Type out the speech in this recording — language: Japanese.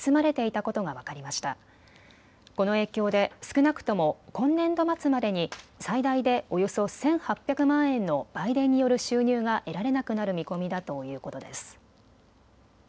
この影響で少なくとも今年度末までに最大でおよそ１８００万円の売電による収入が得られなくなる見込みだということです。